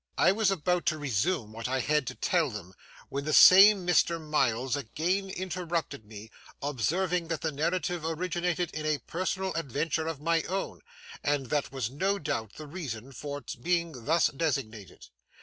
I was about to resume what I had to tell them, when the same Mr. Miles again interrupted me, observing that the narrative originated in a personal adventure of my own, and that was no doubt the reason for its being thus designated.